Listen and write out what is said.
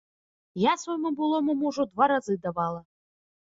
Я свайму былому мужу два разы давала.